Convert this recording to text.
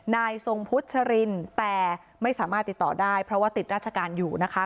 นายทรงพุชรินแต่ไม่สามารถติดต่อได้เพราะว่าติดราชการอยู่นะคะ